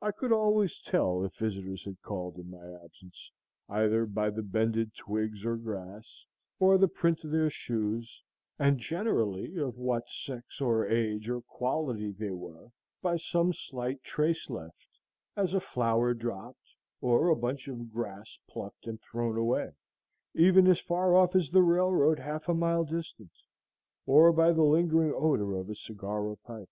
I could always tell if visitors had called in my absence, either by the bended twigs or grass, or the print of their shoes, and generally of what sex or age or quality they were by some slight trace left, as a flower dropped, or a bunch of grass plucked and thrown away, even as far off as the railroad, half a mile distant, or by the lingering odor of a cigar or pipe.